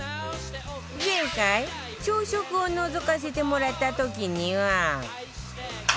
前回朝食をのぞかせてもらった時には